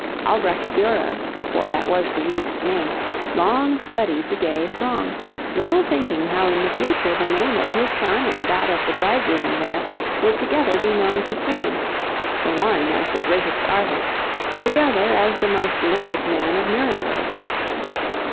Albrecht Durer, for that was the youth's name, long studied the gay throng, little thinking how in the future the name of his son and that of the bridegroom there would together be known to fame, the one as the greatest artist, the other as the most learned man of Nuremberg.